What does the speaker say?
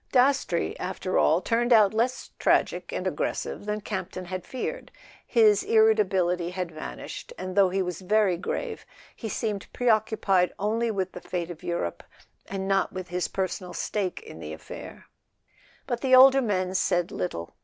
Dastrey, after all, turned out less tragic and aggressive than Campton had feared. His irritability had vanished, and though he was very grave he seemed preoccupied only with the fate of Europe, and not with his personal stake in the affair. But the older men said little.